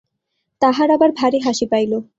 তাহার আবার ভারি হাসি পাইল।